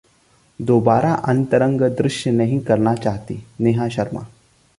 दोबारा अंतरंग दृश्य नहीं करना चाहती: नेहा शर्मा